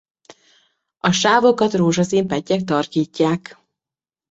A sávokat rózsaszín pettyek tarkítják.